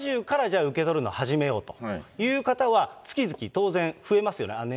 ７０からじゃあ受け取るのを始めようという方は、月々当然、増えますよね。